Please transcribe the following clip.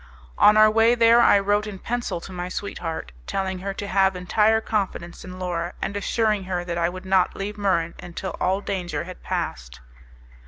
On our way there I wrote in pencil to my sweetheart, telling her to have entire confidence in Laura, and assuring her that I would not leave Muran until all danger had passed.